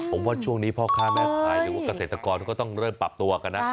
ผมว่าช่วงนี้พ่อค้าแม่ขายหรือว่าเกษตรกรเขาก็ต้องเริ่มปรับตัวกันนะ